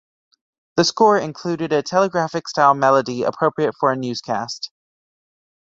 The score included a telegraphic-style melody appropriate for a newscast.